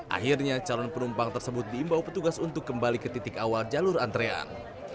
akhirnya calon penumpang tersebut diimbau petugas untuk kembali ke titik awal jalur antrean